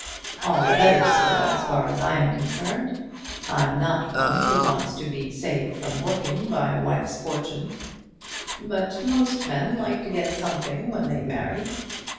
"All the better, sir, as far as I am concerned. I'm not one who wants to be saved from working by a wife's fortune." "But most men like to get something when they marry."